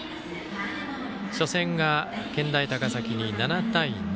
初戦が健大高崎に７対２。